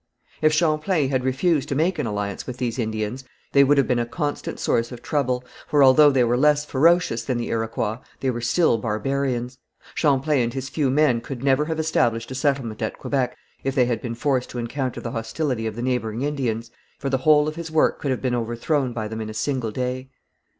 If Champlain had refused to make an alliance with these Indians, they would have been a constant source of trouble, for although they were less ferocious than the Iroquois, they were still barbarians. Champlain and his few men could never have established a settlement at Quebec if they had been forced to encounter the hostility of the neighbouring Indians, for the whole of his work could have been overthrown by them in a single day.